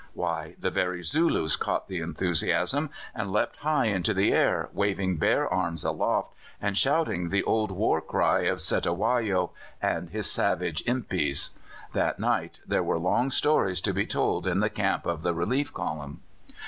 Why, the very Zulus caught the enthusiasm and leapt high into the air, waving bare arms aloft and shouting the old war cry of Cetewayo and his savage impis. That night there were long stories to be told in the camp of the Relief Column.